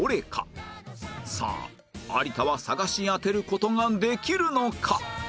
さあ有田は探し当てる事ができるのか？